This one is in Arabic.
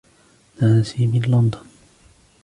نانسي من لندن.